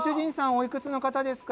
おいくつの方ですか？